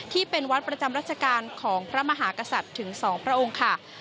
ที่เป็นวัดประจำรัชกาลของพระมหากษัตริย์ถึง๒พระองค์ค่ะ